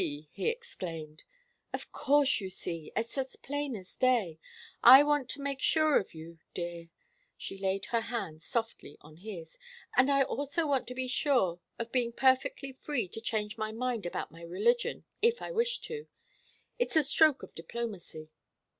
he exclaimed. "Of course you see. It's as plain as day. I want to make sure of you dear," she laid her hand softly on his, "and I also want to be sure of being perfectly free to change my mind about my religion, if I wish to. It's a stroke of diplomacy."